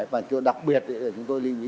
và đặc biệt là chúng tôi lưu ý